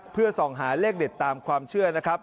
เพื่อส่องหาเลขเด็ดตามความเชื่อนะครับ